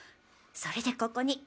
それでここに。